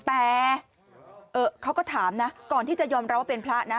แต่เขาก็ถามนะก่อนที่จะยอมรับว่าเป็นพระนะ